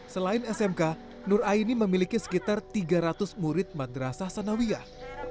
selain smk nur aini memiliki sekitar tiga ratus murid madrasah sanawiah